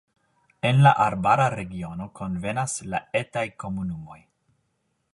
En la arbara regiono konvenas la etaj komunumoj.